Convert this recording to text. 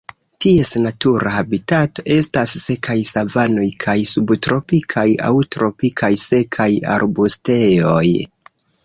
Ties natura habitato estas sekaj savanoj kaj subtropikaj aŭ tropikaj sekaj arbustejoj.